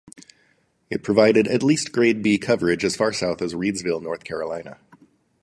It provided at least grade B coverage as far south as Reidsville, North Carolina.